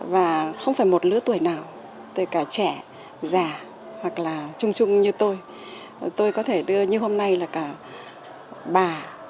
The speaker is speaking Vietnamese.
và không phải một lứa tuổi nào tôi cả trẻ già hoặc là trung trung như tôi tôi có thể đưa như hôm nay là cả bà